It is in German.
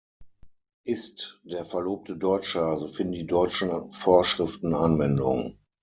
Ist der Verlobte Deutscher, so finden die deutschen Vorschriften Anwendung.